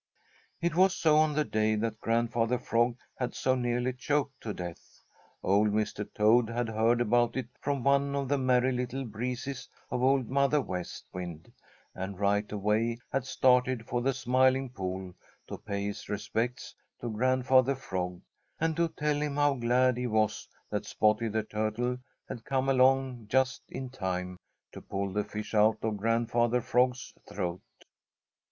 It was so on the day that Grandfather Frog had so nearly choked to death. Old Mr. Toad had heard about it from one of the Merry Little Breezes of Old Mother West Wind and right away had started for the Smiling Pool to pay his respects to Grandfather Frog, and to tell him how glad he was that Spotty the Turtle had come along just in time to pull the fish out of Grandfather Frog's throat.